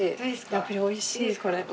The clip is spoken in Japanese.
やっぱりおいしいこれ。